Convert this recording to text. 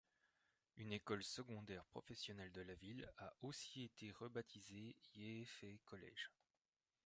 Une école secondaire professionnelle de la ville a aussi été rebaptisée Ye Fei-college.